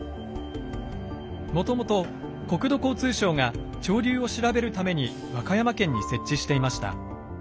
もともと国土交通省が潮流を調べるために和歌山県に設置していました。